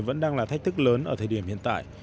vẫn đang là thách thức lớn ở thời điểm hiện tại